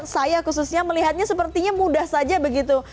saya khususnya melihatnya sepertinya mudah saja begitu